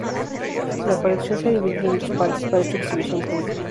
La colección se ha dividido en dos partes para su exhibición pública.